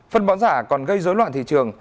phân bón giả còn gây dối loạn thị trường